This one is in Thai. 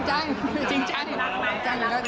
จริงจังอยู่แล้ว